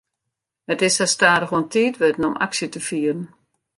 It is sa stadichoan tiid wurden om aksje te fieren.